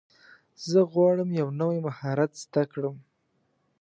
زه غواړم یو نوی مهارت زده کړم.